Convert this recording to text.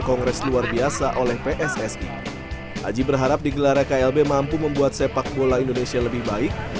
kongres luar biasa oleh pssi aji berharap digelarnya klb mampu membuat sepak bola indonesia lebih baik